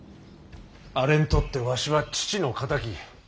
あれにとってわしは父の敵。